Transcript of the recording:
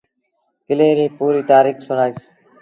ڪلي ريٚ پوريٚ تآريٚک سُڻآئيٚس